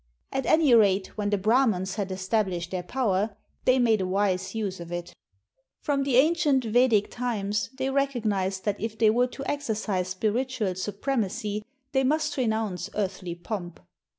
At any rate, when the Brahmans had established their power, they made a wise use of it. From the ancient Vedic times they recognized that if they were to exercise spiritual supremacy, they must renounce earthly pomp.